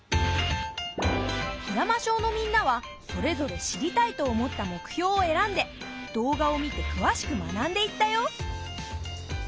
平間小のみんなはそれぞれ知りたいと思った目標を選んで動画を見てくわしく学んでいったよ。